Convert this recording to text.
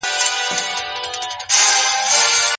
هغه مي خړ وطن سمسور غوښتی